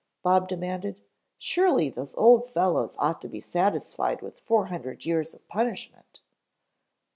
Bob demanded. "Surely those old fellows ought to be satisfied with four hundred years of punishment."